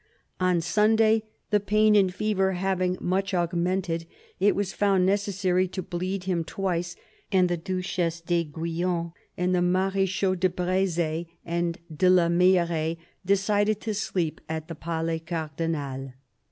On Sunday, the pain and fever having much augmented, it was found necessary to bleed him twice, and the Duchesse d'Aiguillon and the Marechaux de Breze and de la Meilleraye decided to sleep at the Palais Cardinal."